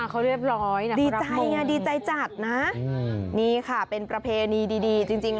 เขาเรียบร้อยนะดีใจไงดีใจจัดนะนี่ค่ะเป็นประเพณีดีจริง